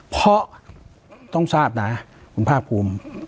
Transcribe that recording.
ปากกับภาคภูมิ